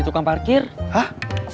tentang kalau koges